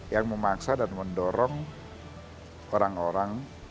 yang memaksa dan mendorong orang orang